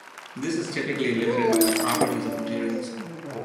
This is typically limited by the properties of materials.